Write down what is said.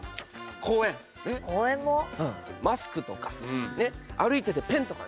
マスクとかねっ歩いててペンとかね。